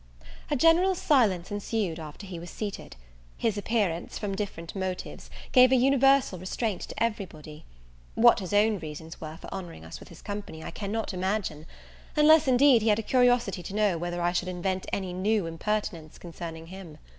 A general silence ensued after he was seated: his appearance, from different motives, gave an universal restraint to every body. What his own reasons were for honouring us with his company, I cannot imagine; unless, indeed, he had a curiosity to know whether I should invent any new impertinence concerning him.